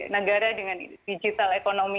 negara dengan digital ekonomi